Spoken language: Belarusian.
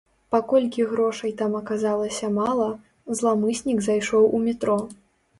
Паколькі грошай там аказалася мала, зламыснік зайшоў у метро.